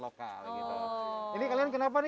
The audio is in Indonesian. benar di indonesia saja